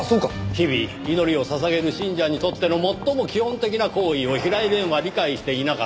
日々祈りを捧げる信者にとっての最も基本的な行為を平井蓮は理解していなかった。